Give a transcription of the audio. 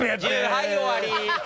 はい終わり！